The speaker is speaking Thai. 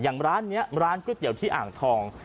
อย่างร้านนี้ร้านก๋วยเตี๋ยวที่อ่างทอง